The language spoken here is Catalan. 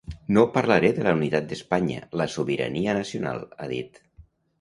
No parlaré de la unitat d’Espanya, la sobirania nacional, ha dit.